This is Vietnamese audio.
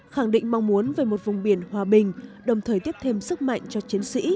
khẳng định mong muốn về một vùng biển hòa bình đồng thời tiếp thêm sức mạnh cho chiến sĩ